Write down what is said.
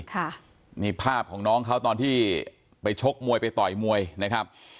ค่ะนี่ภาพของน้องเขาตอนที่ไปชกมวยไปต่อยมวยนะครับ